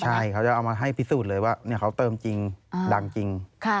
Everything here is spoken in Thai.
ใช่เขาจะเอามาให้พิสูจน์เลยว่าเขาเติมจริงดังจริง